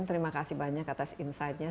terima kasih banyak atas insightnya